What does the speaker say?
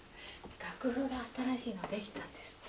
楽譜が新しいのできたんですって？